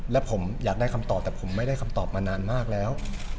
และผมอยากได้คำตอบแต่ผมไม่ได้คำตอบมานานมากแล้ว